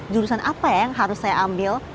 jurusan apa yang harus saya ambil